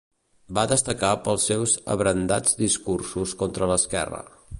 Va destacar pels seus abrandats discursos contra l'esquerra.